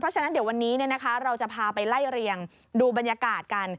ฉะนั้นเดี๋ยววันนี้เราจะพาไปไล่เรียงดูบรรยากาศกัน